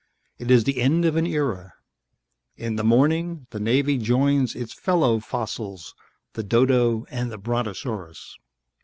It is the end of an era. In the morning the Navy joins its fellow fossils, the dodo and the brontosaurus."